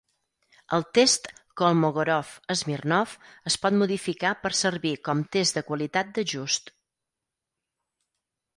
El test Kolmogorov-Smirnov es pot modificar per servir com test de qualitat d'ajust.